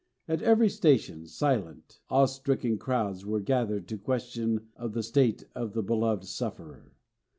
At every station silent, awe stricken crowds were gathered to question of the state of the beloved sufferer.